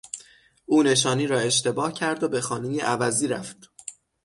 او نشانی را اشتباه کرد و به خانهی عوضی رفت.